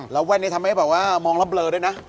แล้วแว่นนี้ทำให้แบบว่ามองแล้วเบลอด้วยนะ